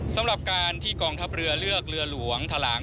สำหรับการที่กองทัพเรือเลือกเรือหลวงทะลาง